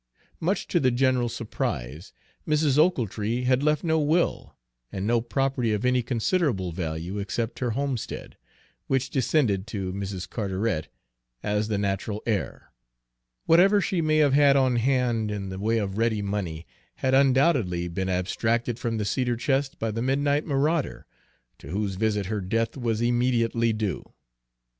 Much to the general surprise, Mrs. Ochiltree had left no will, and no property of any considerable value except her homestead, which descended to Mrs. Carteret as the natural heir. Whatever she may have had on hand in the way of ready money had undoubtedly been abstracted from the cedar chest by the midnight marauder, to whose visit her death was immediately due.